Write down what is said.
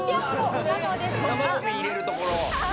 生ゴミ入れるところ！